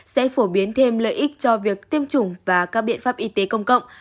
sẽ phổ biến thêm lợi ích cho việc tiêm chủng và các biện pháp y tế công cộng